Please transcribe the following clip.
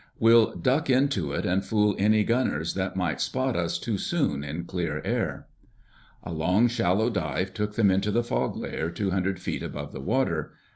We'll duck into it and fool any gunners that might spot us too soon in clear air." A long, shallow dive took them into the fog layer two hundred feet above the water.